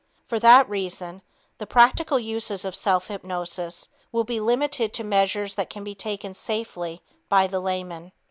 For that reason, the practical uses of self hypnosis will be limited to measures that can be taken safely by the layman.